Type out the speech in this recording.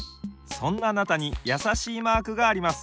そんなあなたにやさしいマークがあります。